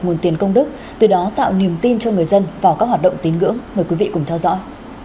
nguồn tiền công đức từ đó tạo niềm tin cho người dân vào các hoạt động tín ngưỡng mời quý vị cùng theo dõi